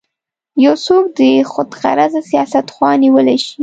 یو څوک د خودغرضه سیاست خوا نیولی شي.